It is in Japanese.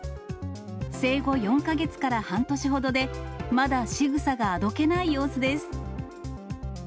生後４か月から半年ほどで、まだしぐさがあどけない様子です。